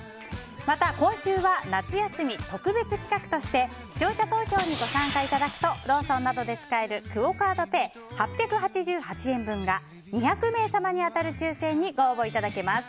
また、今週は夏休み特別企画として視聴者投票にご参加いただくとローソンなどで使えるクオ・カードペイ８８８円分が２００名様に当たる抽選にご応募いただけます。